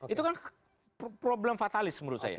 itu kan problem fatalis menurut saya